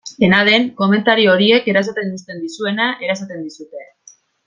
Dena den, komentario horiek erasaten uzten diezuna erasaten dizute.